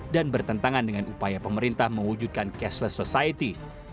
dan bertentangan dengan upaya pemerintah mewujudkan cashless society